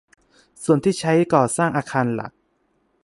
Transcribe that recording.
ส่วนที่ใช้ก่อสร้างอาคารหลัก